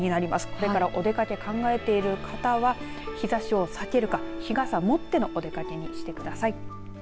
これからお出かけ考えてる方は日ざしを避けるか日傘をもってのお出かけにしてください。